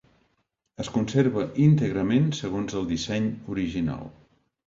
Es conserva íntegrament segons el disseny original.